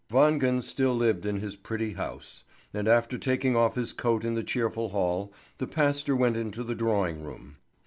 Wangen still lived in his pretty house, and after taking off his coat in the cheerful hall, the pastor went into the drawing room.